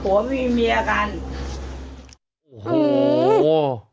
โอ้โฮ